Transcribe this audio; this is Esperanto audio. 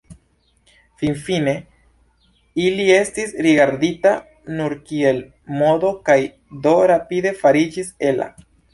Finfine, ili estis rigardita nur kiel modo kaj do rapide fariĝis ela.